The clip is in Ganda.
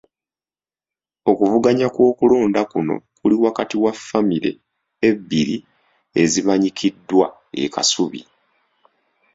Okuvuganya kw'okulonda kuno kuli wakati wa famire ebbiri ezimanyikiddwa e Kasubi.